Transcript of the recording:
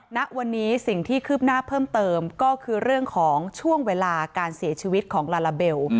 ณวันนี้สิ่งที่คืบหน้าเพิ่มเติมก็คือเรื่องของช่วงเวลาการเสียชีวิตของลาลาเบล